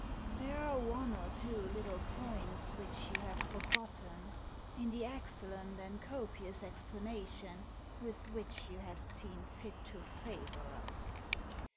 There are one or two little points which you have forgotten in the excellent and copious explanation with which you have seen fit to favour us.